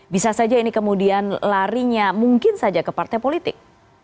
bisa saja ini kemudian larinya mungkin saja ke partai politik